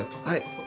はい。